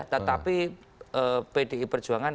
tetapi pdi perjuangan